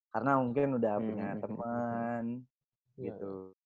karena mungkin udah punya temen gitu